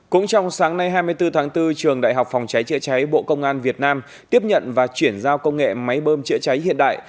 cũng trong sáng nay hai mươi bốn tháng bốn trường đại học phòng cháy chữa cháy bộ công an việt nam tiếp nhận và chuyển giao công nghệ máy bơm chữa cháy hiện đại